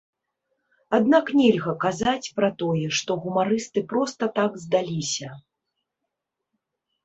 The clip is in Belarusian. Аднак нельга казаць пра тое, што гумарысты проста так здаліся.